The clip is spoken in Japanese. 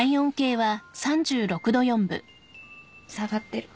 下がってる。